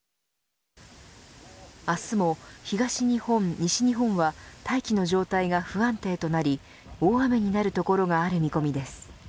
明日も東日本、西日本は大気の状態が不安定となり大雨になる所がある見込みです。